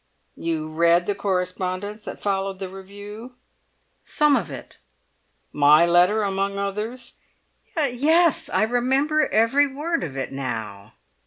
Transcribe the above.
"You read the correspondence that followed the review?" "Some of it." "My letter among others?" "Yes! I remember every word of it now."